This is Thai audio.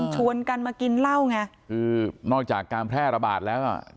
ชวนกันมากินเหล้าไงคือนอกจากการแพร่ระบาดแล้วอ่ะ